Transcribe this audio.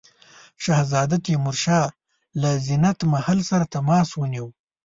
شهزاده تیمورشاه له زینت محل سره تماس ونیو.